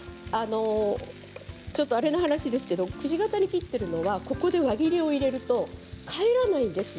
ちょっとあれな話ですけれどもくし形に切っているのは輪切りにするとここで返らないんですよ。